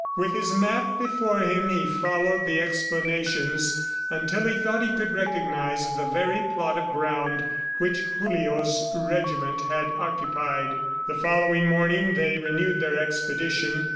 With his map before him, he followed the explanations until he thought he could recognize the very plot of ground which Julio's regiment had occupied. The following morning they renewed their expedition.